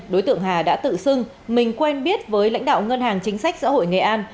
đối tượng hà đã tự xưng mình quen biết với lãnh đạo ngân hàng chính sách xã hội nghệ an